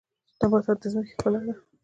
نباتات د ځمکې ښکلا ده